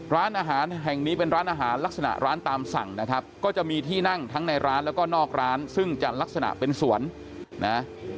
ร้านอาหารแห่งนี้เป็นร้านอาหารลักษณะร้านตามสั่งนะครับก็จะมีที่นั่งทั้งในร้านแล้วก็นอกร้านซึ่งจะลักษณะเป็นสวนนะ